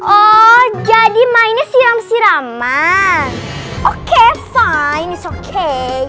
oh jadi mainnya siram siram ah oke fine oke